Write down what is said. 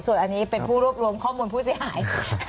ส่วนอันนี้เป็นผู้รวบรวมข้อมูลผู้เสียหาย